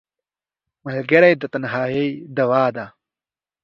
ملګری د تنهایۍ دواء ده